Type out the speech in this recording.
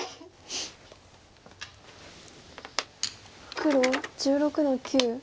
黒１６の九。